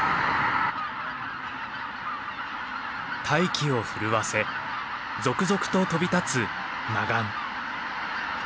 大気を震わせ続々と飛び立つマガン。